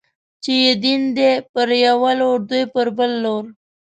چې يې دين دی، پر يو لور دوی پر بل لوري